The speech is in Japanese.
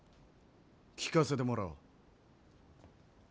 聞かせてもらおう。